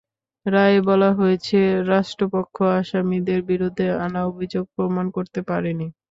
রায়ে বলা হয়েছে, রাষ্ট্রপক্ষ আসামিদের বিরুদ্ধে আনা অভিযোগ প্রমাণ করতে পারেনি।